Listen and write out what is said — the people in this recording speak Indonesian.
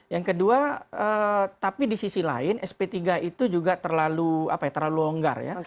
yang kedua tapi di sisi lain sp tiga itu juga terlalu longgar ya